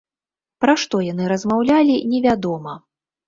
Пра што яны размаўлялі, невядома.